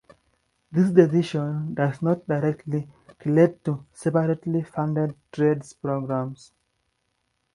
This decision does not directly relate to separately-funded trades programmes.